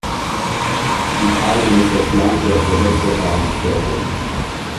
Italien ist das Land der verwechselbaren Städte.